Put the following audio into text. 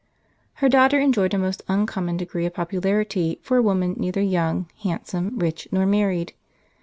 Her daughter enjoyed a most uncommon degree of popularity for a woman neither young, handsome, rich, nor married.